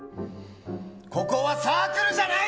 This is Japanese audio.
ここはサークルじゃない！